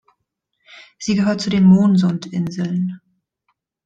Sie gehört zu den Moonsund-Inseln.